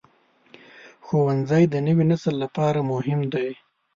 ښوونځی د نوي نسل لپاره مهم دی.